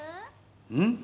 うん？